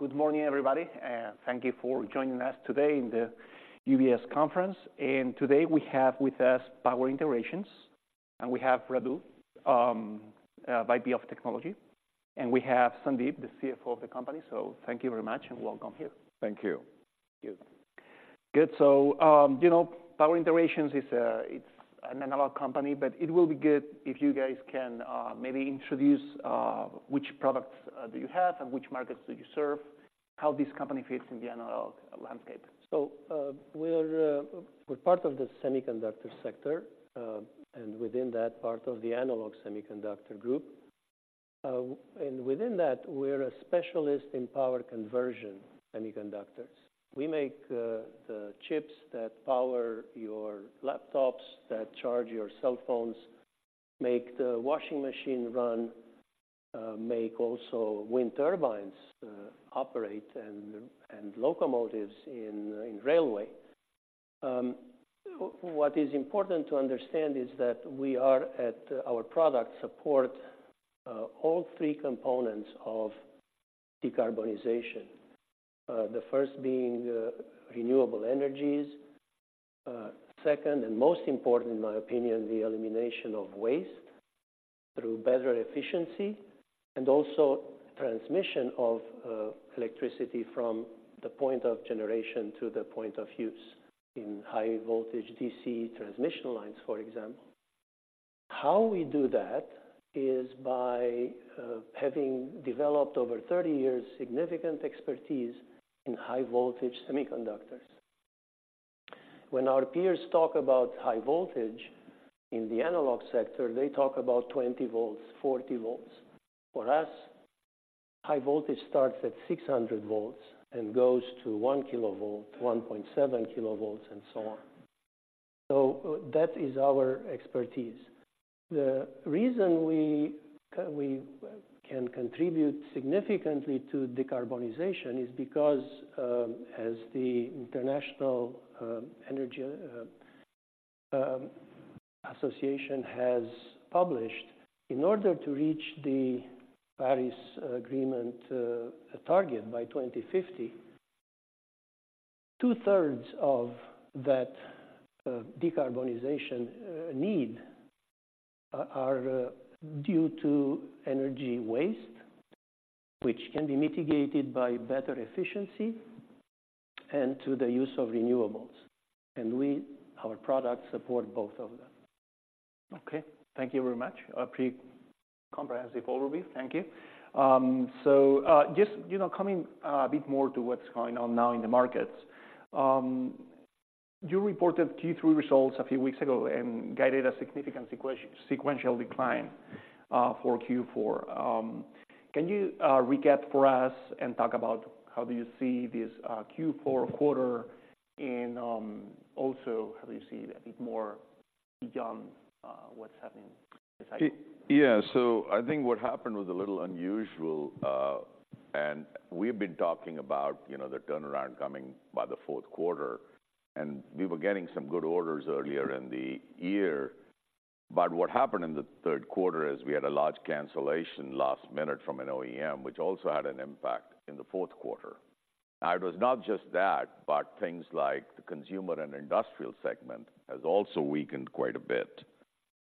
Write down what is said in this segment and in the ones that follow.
Good morning, everybody, and thank you for joining us today in the UBS conference. Today we have with us Power Integrations, and we have Radu, VP of Technology, and we have Sandeep, the CFO of the company. Thank you very much, and welcome here. Thank you. Thank you. Good. So, you know, Power Integrations is a, it's an analog company, but it will be good if you guys can maybe introduce which products do you have and which markets do you serve? How this company fits in the analog landscape. So, we're part of the semiconductor sector, and within that, part of the analog semiconductor group. And within that, we're a specialist in power conversion semiconductors. We make the chips that power your laptops, that charge your cell phones, make the washing machine run, make also wind turbines operate and locomotives in railway. What is important to understand is that our products support all three components of decarbonization. The first being renewable energies. Second, and most important in my opinion, the elimination of waste through better efficiency, and also transmission of electricity from the point of generation to the point of use in high voltage DC transmission lines, for example. How we do that is by having developed over 30 years, significant expertise in high voltage semiconductors. When our peers talk about high voltage in the analog sector, they talk about 20 volts, 40 volts. For us, high voltage starts at 600 volts and goes to 1 kV, 1.7 kV, and so on. So that is our expertise. The reason we can contribute significantly to decarbonization is because, as the International Energy Association has published, in order to reach the Paris Agreement target by 2050, two-thirds of that decarbonization needs are due to energy waste, which can be mitigated by better efficiency and to the use of renewables, and our products support both of them. Okay. Thank you very much. A pretty comprehensive overview. Thank you. So, just, you know, coming a bit more to what's going on now in the markets. You reported Q3 results a few weeks ago and guided a significant sequential decline for Q4. Can you recap for us and talk about how do you see this Q4 quarter, and also, how do you see a bit more beyond what's happening this time? Yeah. So I think what happened was a little unusual. And we've been talking about, you know, the turnaround coming by the fourth quarter, and we were getting some good orders earlier in the year. But what happened in the third quarter is we had a large cancellation last minute from an OEM, which also had an impact in the fourth quarter. Now, it was not just that, but things like the consumer and industrial segment has also weakened quite a bit.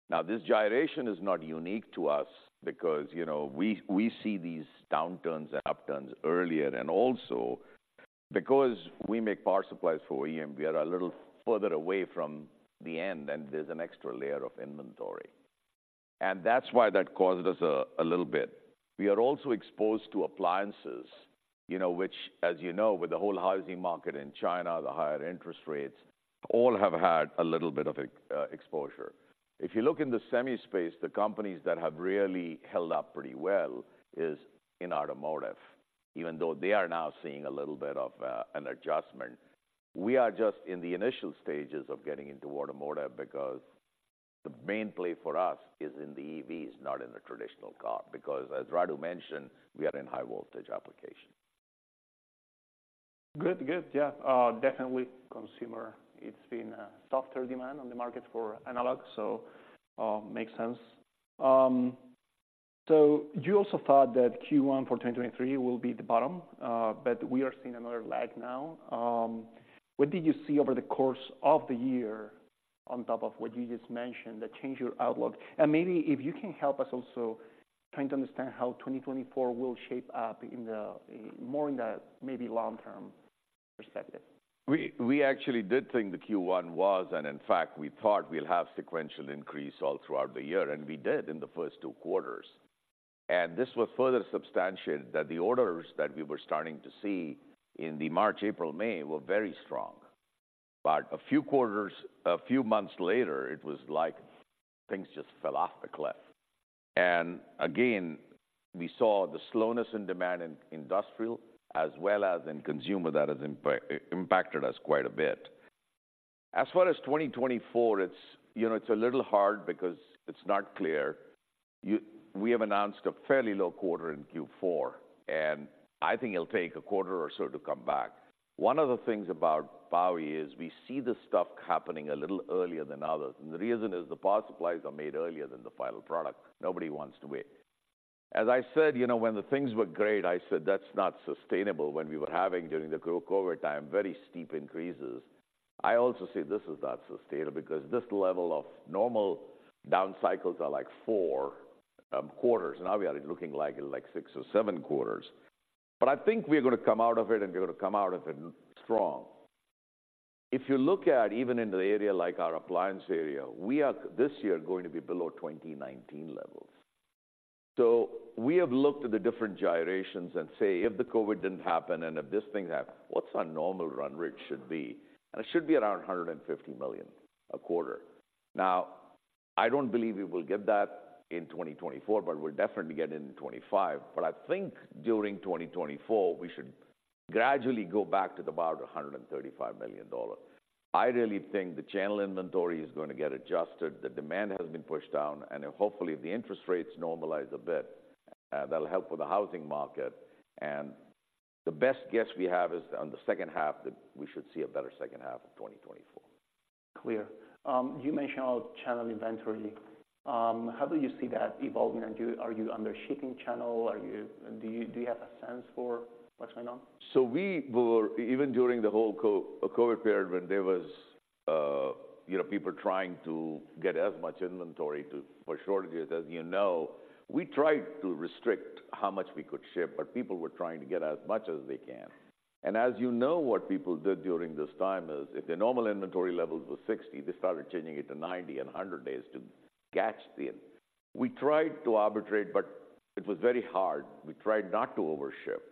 Now, this gyration is not unique to us because, you know, we see these downturns and upturns earlier, and also because we make power supplies for OEM, we are a little further away from the end, and there's an extra layer of inventory. And that's why that caused us a little bit. We are also exposed to appliances, you know, which, as you know, with the whole housing market in China, the higher interest rates, all have had a little bit of exposure. If you look in the semi space, the companies that have really held up pretty well is in automotive, even though they are now seeing a little bit of an adjustment. We are just in the initial stages of getting into automotive because the main play for us is in the EVs, not in the traditional car, because as Radu mentioned, we are in high voltage application. Good. Good. Yeah, definitely consumer, it's been a softer demand on the market for analog, so, makes sense. So you also thought that Q1 for 2023 will be the bottom, but we are seeing another lag now. What did you see over the course of the year on top of what you just mentioned, that changed your outlook? And maybe if you can help us also trying to understand how 2024 will shape up in the, more in the maybe long-term perspective. We actually did think the Q1 was, and in fact, we thought we'll have sequential increase all throughout the year, and we did in the first two quarters. And this was further substantiated that the orders that we were starting to see in the March, April, May were very strong. But a few quarters, a few months later, it was like things just fell off a cliff. And again, we saw the slowness in demand in industrial as well as in consumer. That has impacted us quite a bit. As far as 2024, it's, you know, it's a little hard because it's not clear. We have announced a fairly low quarter in Q4, and I think it'll take a quarter or so to come back. One of the things about POWI is we see this stuff happening a little earlier than others, and the reason is the power supplies are made earlier than the final product. Nobody wants to wait. As I said, you know, when the things were great, I said, "That's not sustainable," when we were having, during the COVID time, very steep increases. I also say this is not sustainable, because this level of normal down cycles are like four quarters, now we are looking like, like six or seven quarters. But I think we're gonna come out of it, and we're gonna come out of it strong. If you look at even in the area like our appliance area, we are this year going to be below 2019 levels. So we have looked at the different gyrations and say, if the COVID didn't happen, and if this thing happened, what's our normal run rate should be? And it should be around $150 million a quarter. Now, I don't believe we will get that in 2024, but we'll definitely get it in 2025. But I think during 2024, we should gradually go back to about $135 million. I really think the channel inventory is going to get adjusted, the demand has been pushed down, and then hopefully, if the interest rates normalize a bit, that'll help with the housing market. And the best guess we have is on the second half, that we should see a better second half of 2024. Clear. You mentioned about channel inventory. How do you see that evolving? Are you under shipping channel? Do you have a sense for what's going on? So we were, even during the whole COVID period, when there was, you know, people trying to get as much inventory to, for shortages as you know, we tried to restrict how much we could ship, but people were trying to get as much as they can. And as you know, what people did during this time is, if their normal inventory levels were 60, they started changing it to 90 and 100 days to catch the. We tried to arbitrate, but it was very hard. We tried not to overship.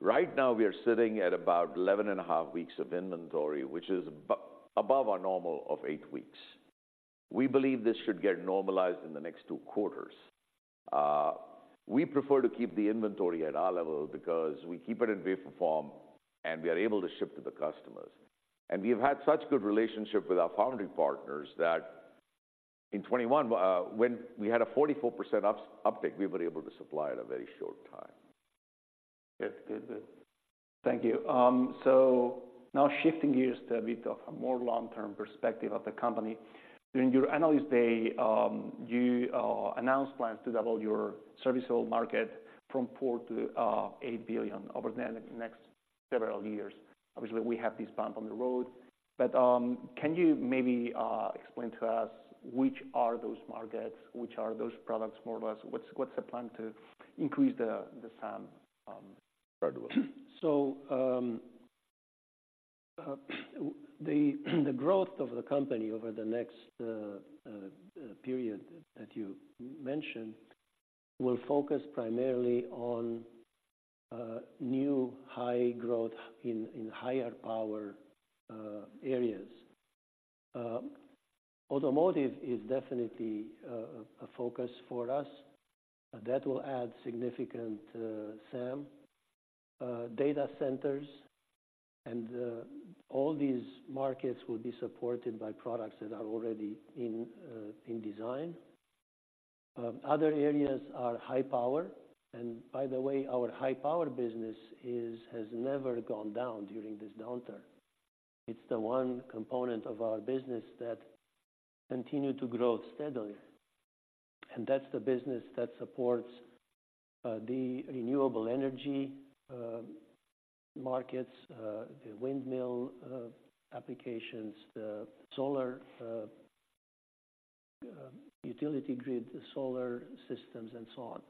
Right now, we are sitting at about 11.5 weeks of inventory, which is above our normal of 8 weeks. We believe this should get normalized in the next 2 quarters. We prefer to keep the inventory at our level because we keep it in wafer form, and we are able to ship to the customers. We've had such good relationship with our foundry partners that in 2021, when we had a 44% uptake, we were able to supply at a very short time. Good. Good, good. Thank you. Now shifting gears to a bit of a more long-term perspective of the company. During your Analyst Day, you announced plans to double your serviceable market from $4 billion to $8 billion over the next, next several years. Obviously, we have this bump on the road, but can you maybe explain to us which are those markets? Which are those products, more or less, what's the plan to increase the, the SAM, gradually? So, the growth of the company over the next period that you mentioned will focus primarily on new high growth in higher power areas. Automotive is definitely a focus for us, that will add significant SAM, data centers, and all these markets will be supported by products that are already in design. Other areas are high power, and by the way, our high power business has never gone down during this downturn. It's the one component of our business that continued to grow steadily, and that's the business that supports the renewable energy markets, the windmill applications, the solar utility grid, the solar systems, and so on.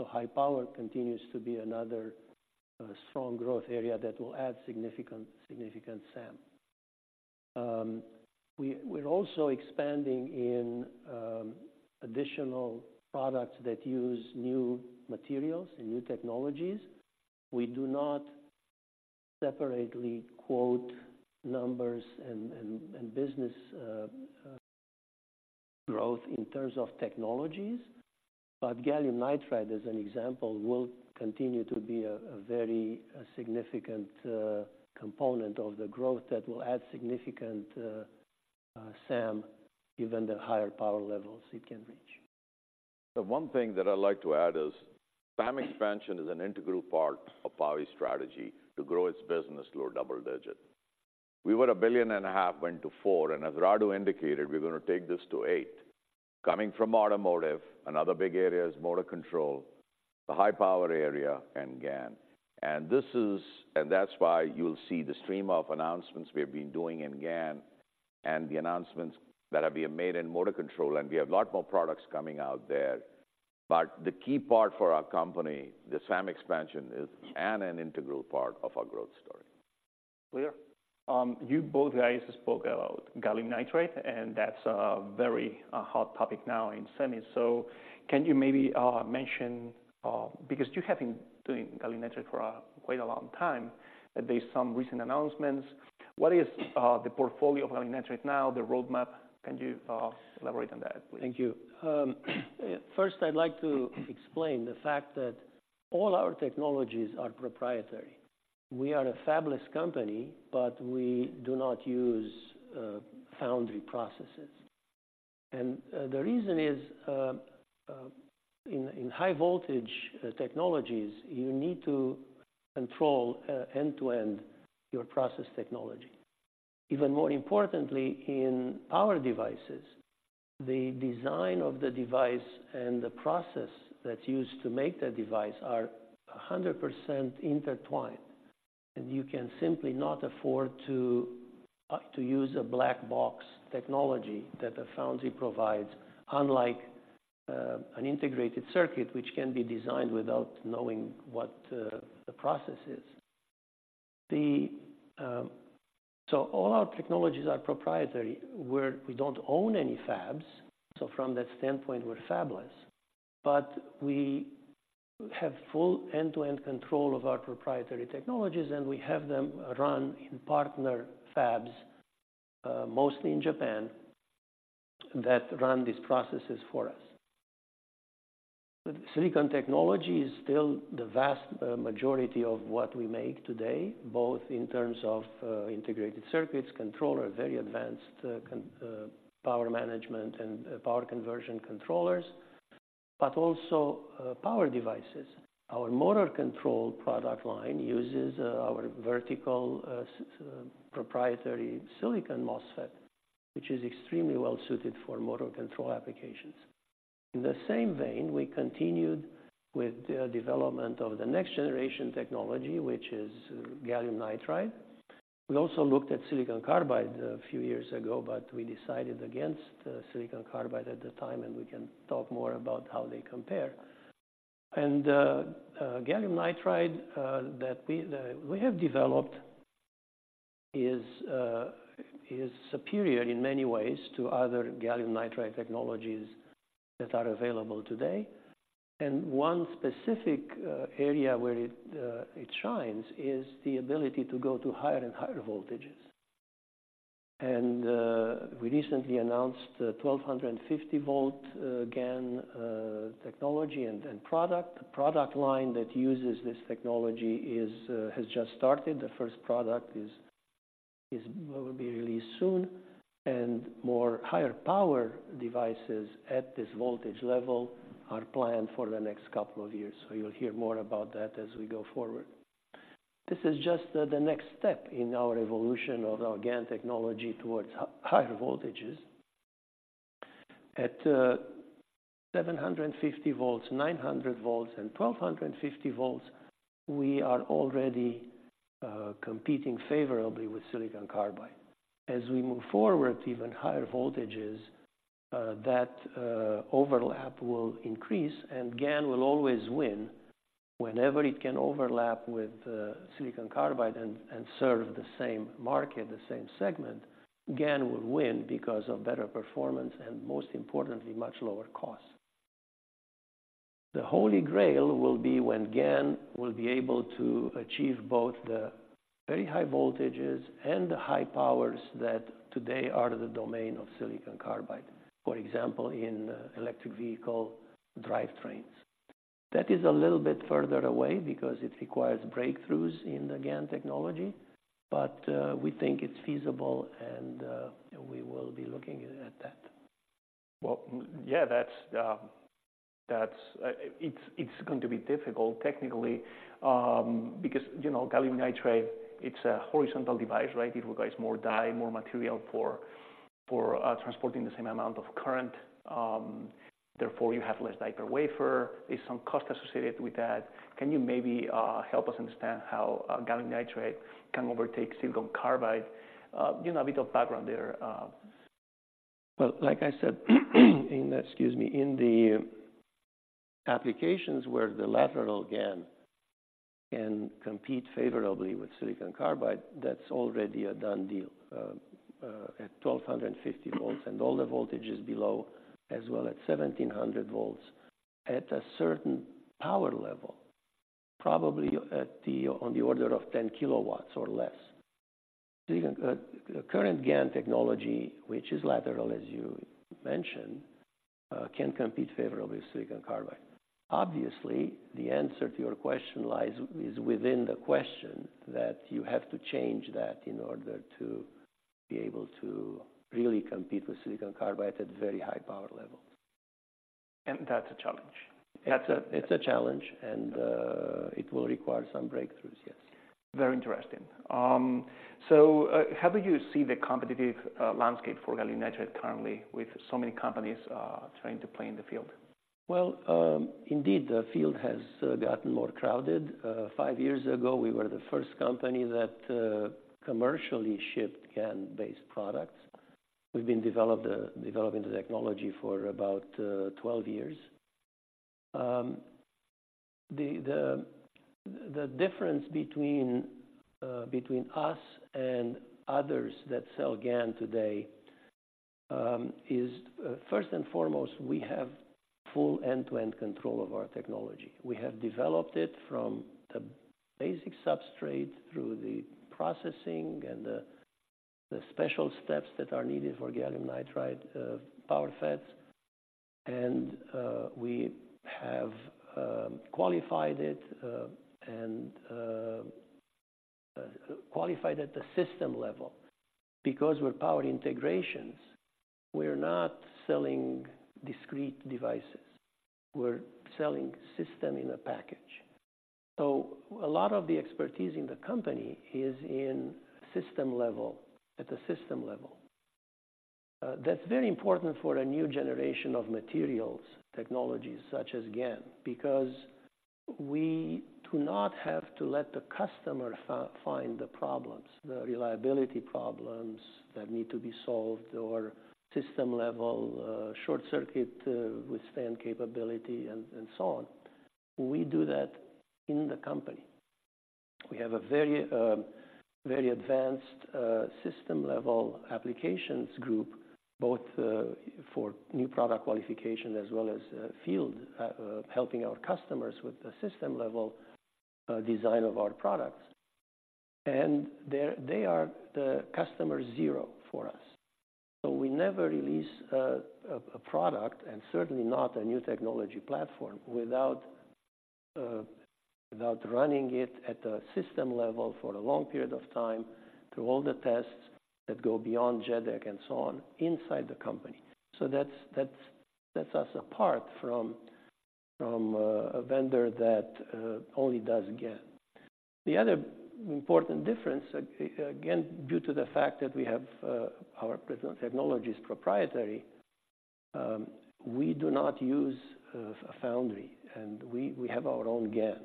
So high power continues to be another strong growth area that will add significant SAM. We're also expanding in additional products that use new materials and new technologies. We do not separately quote numbers and business growth in terms of technologies, but gallium nitride, as an example, will continue to be a very significant component of the growth that will add significant SAM, given the higher power levels it can reach. The one thing that I'd like to add is, SAM expansion is an integral part of POWI's strategy to grow its business to a double-digit. We were $1.5 billion, went to $4 billion, and as Radu indicated, we're gonna take this to $8 billion. Coming from automotive, another big area is motor control, the high power area, and GaN. And that's why you'll see the stream of announcements we've been doing in GaN, and the announcements that have been made in motor control, and we have a lot more products coming out there. But the key part for our company, the SAM expansion, is an integral part of our growth story. Clear. You both guys spoke about gallium nitride, and that's a very hot topic now in semi. So can you maybe mention, because you have been doing gallium nitride for quite a long time, that there's some recent announcements. What is the portfolio of gallium nitride now, the roadmap? Can you elaborate on that, please? Thank you. First, I'd like to explain the fact that all our technologies are proprietary. We are a fabless company, but we do not use foundry processes. And the reason is, in high voltage technologies, you need to control end-to-end your process technology. Even more importantly, in power devices, the design of the device and the process that's used to make that device are 100% intertwined, and you can simply not afford to use a black box technology that a foundry provides, unlike an integrated circuit, which can be designed without knowing what the process is. All our technologies are proprietary, where we don't own any fabs, so from that standpoint, we're fabless, but we have full end-to-end control of our proprietary technologies, and we have them run in partner fabs, mostly in Japan, that run these processes for us. Silicon technology is still the vast majority of what we make today, both in terms of integrated circuits, controller, very advanced con-- power management, and power conversion controllers, but also power devices. Our motor control product line uses our vertical, as proprietary silicon MOSFET, which is extremely well-suited for motor control applications. In the same vein, we continued with the development of the next generation technology, which is gallium nitride. We also looked at silicon carbide a few years ago, but we decided against silicon carbide at the time, and we can talk more about how they compare. And gallium nitride that we have developed is superior in many ways to other gallium nitride technologies that are available today. And one specific area where it shines is the ability to go to higher and higher voltages. And we recently announced the 1,250-volt GaN technology and product. The product line that uses this technology has just started. The first product will be released soon, and more higher power devices at this voltage level are planned for the next couple of years, so you'll hear more about that as we go forward. This is just the, the next step in our evolution of our GaN technology towards higher voltages. At 750 volts, 900 volts, and 1,250 volts, we are already competing favorably with silicon carbide. As we move forward to even higher voltages, that overlap will increase, and GaN will always win. Whenever it can overlap with silicon carbide and serve the same market, the same segment, GaN will win because of better performance, and most importantly, much lower cost. The holy grail will be when GaN will be able to achieve both the very high voltages and the high powers that today are the domain of silicon carbide, for example, in electric vehicle drivetrains. That is a little bit further away because it requires breakthroughs in the GaN technology, but we think it's feasible and we will be looking at that. Well, yeah, that's... It's going to be difficult technically, because, you know, gallium nitride, it's a horizontal device, right? It requires more die, more material for transporting the same amount of current. Therefore, you have less wafer. There's some cost associated with that. Can you maybe help us understand how gallium nitride can overtake silicon carbide? Give a bit of background there. Well, like I said, in the applications where the lateral GaN can compete favorably with silicon carbide, that's already a done deal, at 1,250 volts, and all the voltages below, as well at 1,700 volts, at a certain power level, probably on the order of 10 kW or less. Current GaN technology, which is lateral, as you mentioned, can compete favorably with silicon carbide. Obviously, the answer to your question lies within the question, that you have to change that in order to be able to really compete with silicon carbide at very high power levels. That's a challenge. That's a- It's a challenge, and it will require some breakthroughs, yes. Very interesting. So, how do you see the competitive landscape for gallium nitride currently, with so many companies trying to play in the field? Well, indeed, the field has gotten more crowded. Five years ago, we were the first company that commercially shipped GaN-based products. We've been developing the technology for about 12 years. The difference between us and others that sell GaN today is first and foremost, we have full end-to-end control of our technology. We have developed it from the basic substrate through the processing and the special steps that are needed for gallium nitride power FETs, and we have qualified it and qualified at the system level. Because we're Power Integrations, we're not selling discrete devices. We're selling system-in-a-package. So a lot of the expertise in the company is in system level, at the system level. That's very important for a new generation of materials technologies, such as GaN, because we do not have to let the customer find the problems, the reliability problems that need to be solved or system-level, short-circuit, withstand capability, and so on. We do that in the company. We have a very, very advanced, system-level applications group, both, for new product qualification as well as, field, helping our customers with the system-level, design of our products. And they are the customer zero for us. So we never release a product, and certainly not a new technology platform, without, without running it at the system level for a long period of time, through all the tests that go beyond JEDEC, and so on, inside the company. So that sets us apart from a vendor that only does GaN. The other important difference, again, due to the fact that we have our present technology is proprietary, we do not use a foundry, and we have our own GaN.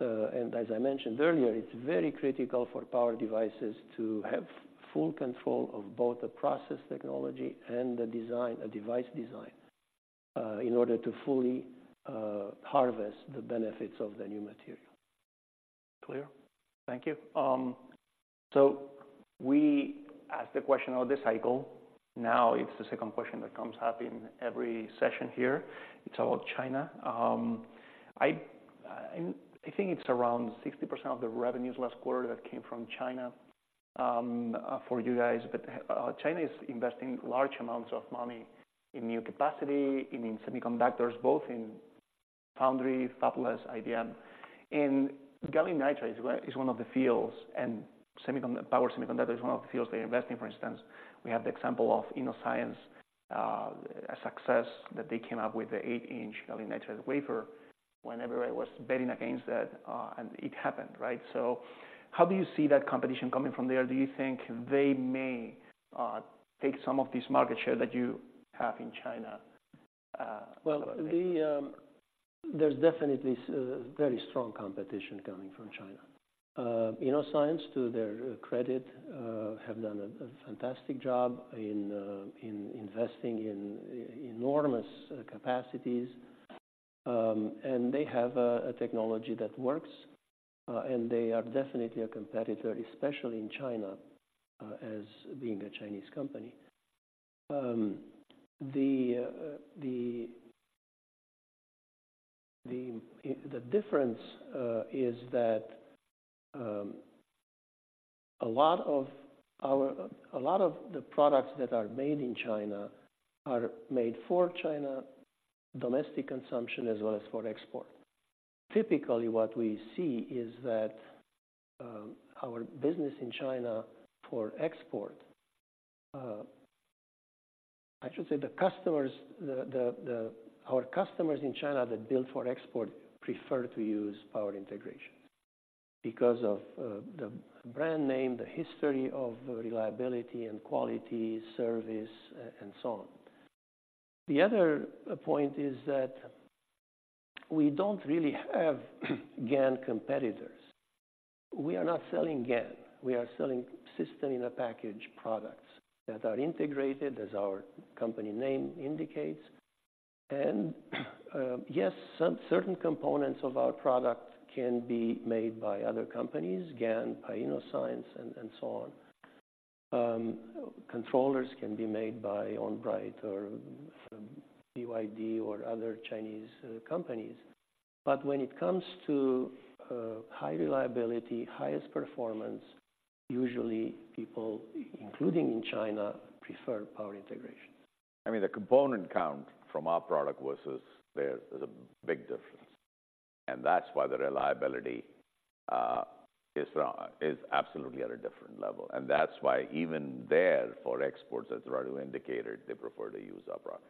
And as I mentioned earlier, it's very critical for power devices to have full control of both the process technology and the design, a device design, in order to fully harvest the benefits of the new material. Clear. Thank you. So we asked the question about the cycle. Now, it's the second question that comes up in every session here. It's about China. I think it's around 60% of the revenues last quarter that came from China, for you guys. But China is investing large amounts of money in new capacity, in semiconductors, both in foundry, fabless, IDM. And gallium nitride is one of the fields, and power semiconductor is one of the fields they're investing. For instance, we have the example of Innoscience, a success that they came up with the 8-inch gallium nitride wafer, whenever I was betting against that, and it happened, right? So how do you see that competition coming from there? Do you think they may take some of this market share that you have in China, Well, the, there's definitely very strong competition coming from China. Innoscience, to their credit, have done a fantastic job in investing in enormous capacities. And they have a technology that works, and they are definitely a competitor, especially in China, as being a Chinese company. The difference is that a lot of the products that are made in China are made for China, domestic consumption, as well as for export. Typically, what we see is that our business in China for export. I should say, our customers in China that build for export prefer to use Power Integrations because of the brand name, the history of reliability and quality, service, and so on. The other point is that we don't really have GaN competitors. We are not selling GaN, we are selling system-in-a-package products that are integrated, as our company name indicates. And yes, some certain components of our product can be made by other companies, GaN by Innoscience, and so on. Controllers can be made by On-Bright or BYD or other Chinese companies. But when it comes to high reliability, highest performance, usually people, including in China, prefer Power Integrations. I mean, the component count from our product versus theirs, there's a big difference, and that's why the reliability is absolutely at a different level. And that's why even there, for exports, as Radu indicated, they prefer to use our product.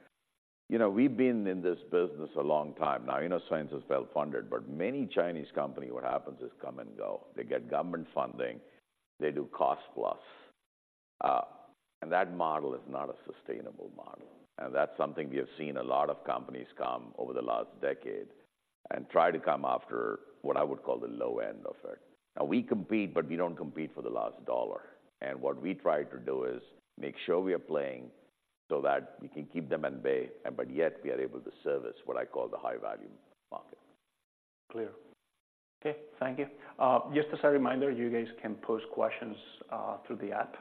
You know, we've been in this business a long time now. Innoscience is well-funded, but many Chinese company, what happens is come and go. They get government funding, they do cost plus, and that model is not a sustainable model. And that's something we have seen a lot of companies come over the last decade and try to come after what I would call the low end of it. Now we compete, but we don't compete for the last dollar. What we try to do is make sure we are playing so that we can keep them at bay, and but yet we are able to service what I call the high-value market. Clear. Okay, thank you. Just as a reminder, you guys can pose questions through the app.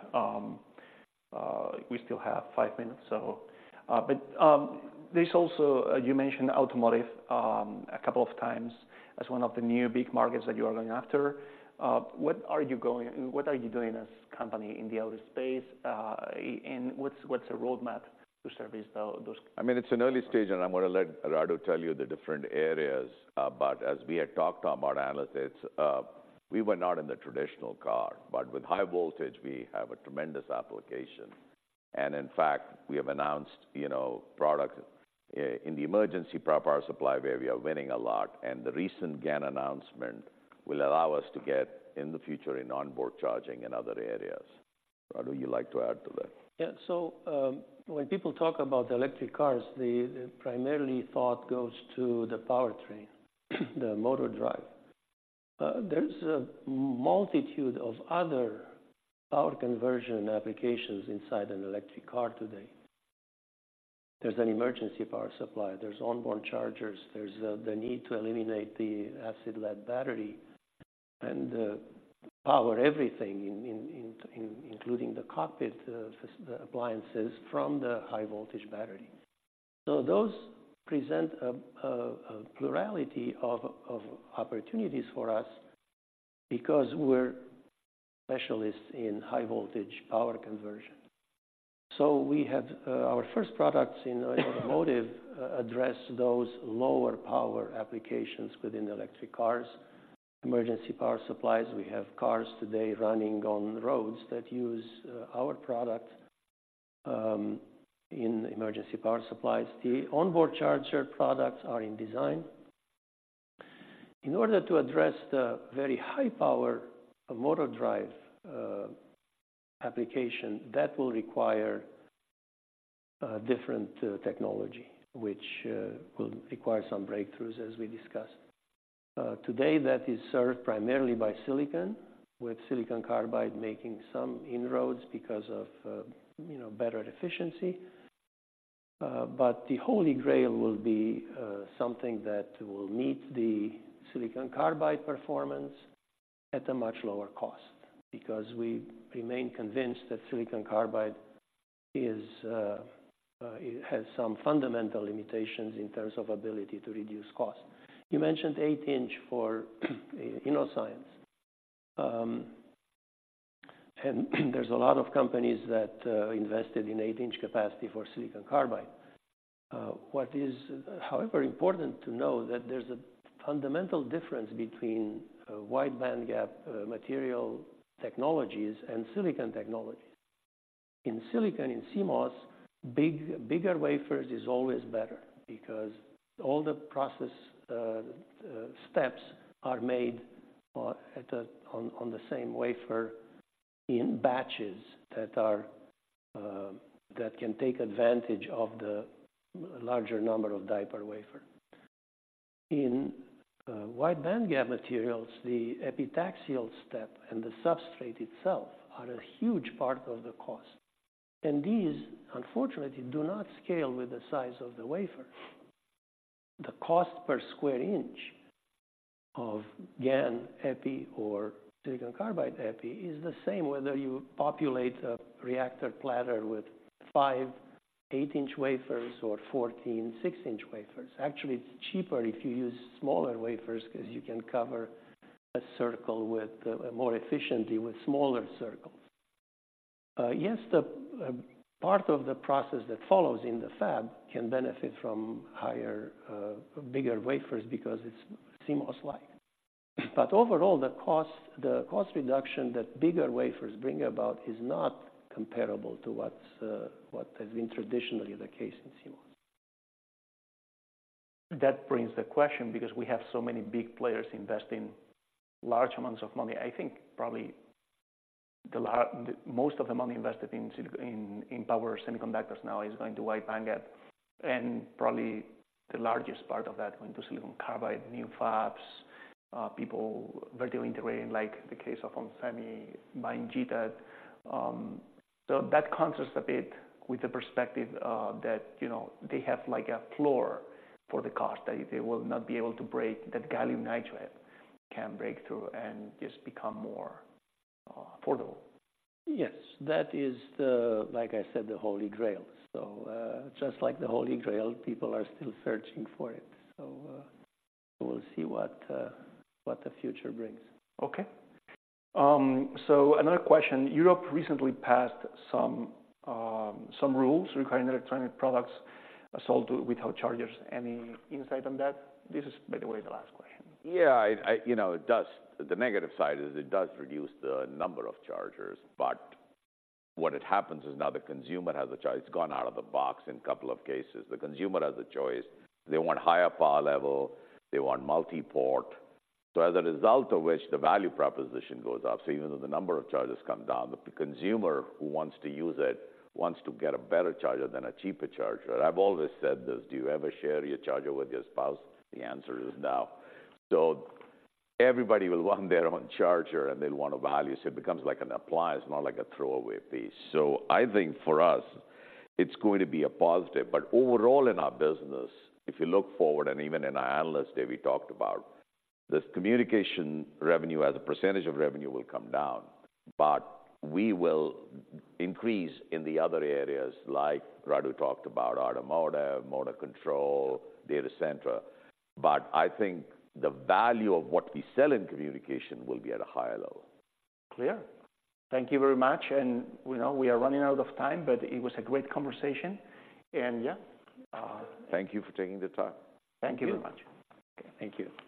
We still have five minutes, so... But, there's also, you mentioned automotive a couple of times as one of the new big markets that you are going after. What are you doing as a company in the auto space, and what's the roadmap to service those- I mean, it's an early stage, and I'm going to let Radu tell you the different areas. But as we had talked about analytics, we were not in the traditional car, but with high voltage, we have a tremendous application. And in fact, we have announced, you know, product in the emergency power supply where we are winning a lot, and the recent GaN announcement will allow us to get, in the future, in onboard charging and other areas. Radu, would you like to add to that? Yeah. So, when people talk about the electric cars, the primary thought goes to the powertrain, the motor drive. There's a multitude of other power conversion applications inside an electric car today. There's an emergency power supply, there's onboard chargers, there's the need to eliminate the lead-acid battery and power everything in, including the cockpit systems and appliances from the high-voltage battery. So those present a plurality of opportunities for us because we're specialists in high-voltage power conversion. So we had our first products in automotive address those lower power applications within electric cars, emergency power supplies. We have cars today running on the roads that use our product in emergency power supplies. The onboard charger products are in design. In order to address the very high power motor drive, application, that will require, different, technology, which, will require some breakthroughs, as we discussed. Today, that is served primarily by silicon, with silicon carbide making some inroads because of, you know, better efficiency. But the Holy Grail will be, something that will meet the silicon carbide performance at a much lower cost, because we remain convinced that silicon carbide is, it has some fundamental limitations in terms of ability to reduce cost. You mentioned 8-inch for, you know, Innoscience. And there's a lot of companies that, invested in 8-inch capacity for silicon carbide. What is, however, important to know that there's a fundamental difference between, wide bandgap, material technologies and silicon technologies. In silicon, in CMOS, bigger wafers is always better because all the process steps are made on the same wafer in batches that can take advantage of the larger number of wafer. In wide bandgap materials, the epitaxial step and the substrate itself are a huge part of the cost, and these, unfortunately, do not scale with the size of the wafer. The cost per square inch of GaN epi or silicon carbide epi is the same whether you populate a reactor platter with 5 8-inch wafers or 14 6-inch wafers. Actually, it's cheaper if you use smaller wafers, 'cause you can cover a circle with more efficiently with smaller circles. Yes, the part of the process that follows in the fab can benefit from higher, bigger wafers because it's CMOS-like. But overall, the cost, the cost reduction that bigger wafers bring about is not comparable to what has been traditionally the case in CMOS. That brings the question, because we have so many big players investing large amounts of money. I think probably most of the money invested in silicon, in power semiconductors now is going to wide bandgap, and probably the largest part of that going to silicon carbide, new fabs, people vertically integrating, like the case of onsemi buying GTAT. So that contrasts a bit with the perspective that, you know, they have like a floor for the cost, that they will not be able to break, that gallium nitride can break through and just become more affordable. Yes, that is the, like I said, the Holy Grail. So, just like the Holy Grail, people are still searching for it, so, we'll see what, what the future brings. Okay. So another question. Europe recently passed some rules requiring electronic products sold without chargers. Any insight on that? This is, by the way, the last question. Yeah, you know, it does. The negative side is it does reduce the number of chargers, but what happens is now the consumer has a charger. It's gone out of the box in a couple of cases. The consumer has a choice. They want higher power level, they want multi-port. So as a result of which, the value proposition goes up. So even though the number of chargers come down, the consumer who wants to use it wants to get a better charger than a cheaper charger. I've always said this: Do you ever share your charger with your spouse? The answer is no. So everybody will want their own charger, and they'll want a value, so it becomes like an appliance, not like a throwaway piece. So I think for us, it's going to be a positive. Overall in our business, if you look forward, and even in our Analyst Day, we talked about, this communication revenue as a percentage of revenue will come down, but we will increase in the other areas, like Radu talked about, automotive, motor control, data center. But I think the value of what we sell in communication will be at a higher level. Clear. Thank you very much. We know we are running out of time, but it was a great conversation, and yeah. Thank you for taking the time. Thank you very much. Thank you. Thank you.